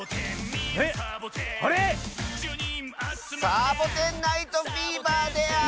「サボテン・ナイト・フィーバー」である！